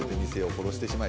「殺してしまえ」